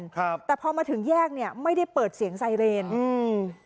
ครับแต่พอมาถึงแยกเนี้ยไม่ได้เปิดเสียงไซเรนอืม